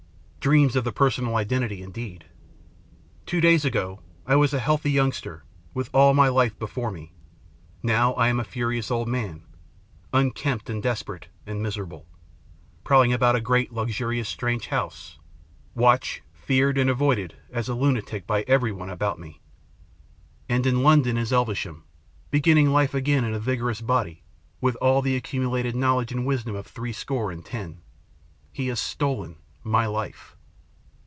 Dreams of the personal identity indeed ! Two days ago I was a healthy youngster, with all life before me; now I am a STORY OF THE LATE MR. ELVESHAM 69 furious old man, unkempt, and desperate, and miser able, prowling about a great luxurious strange house, watched, feared, and avoided as a lunatic by every one about me. And in London is Elvesham begin ning life again in a vigorous body, and with all the accumulated knowledge and wisdom of threescore and ten. He has stolen my life.